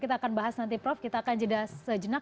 kita akan bahas nanti prof kita akan jeda sejenak